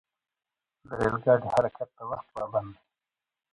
د ریل ګاډي حرکت د وخت پابند دی.